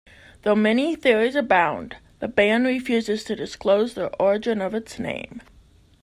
Though many theories abound, the band refuses to disclose the origin of its name.